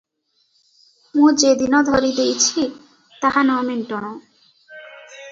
ମୁଁ ଯେ ଦିନ ଧରି ଦେଇଛି, ତାହା ନ ମେଣ୍ଟନ ।"